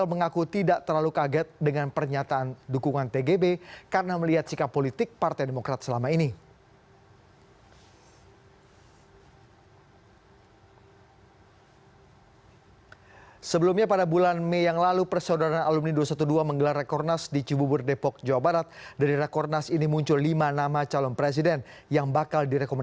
kami nggak pernah kecewa dengan sikap tgb karena kita melihat karena ternyata justru dia lebih berat kepada kepentingan partai